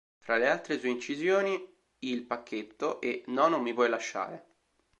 Fra le altre sue incisioni, "Il pacchetto" e "No, non mi puoi lasciare".